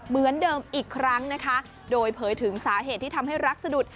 เหมือนเดิมอีกครั้งนะคะโดยเผยถึงสาเหตุที่ทำให้รักสะดุด